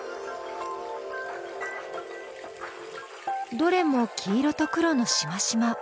どれも黄色と黒のしましま。